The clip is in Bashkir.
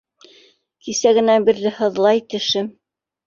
Кисәгенән бирле һыҙлай тешем.